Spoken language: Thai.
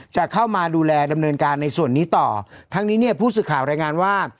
จะเข้ามาดูแลดำเนินการในส่วนนี้ต่อทั้งนี้เนี่ยผู้สื่อข่าวรายงานว่า